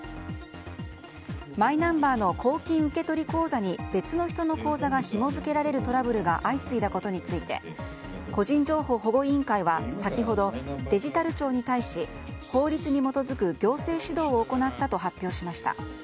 マイナンバーの公金受取口座に別の人の口座がひも付けられるトラブルが相次いだことについて個人情報保護委員会は先ほどデジタル庁に対し法律に基づく行政指導を行ったと発表しました。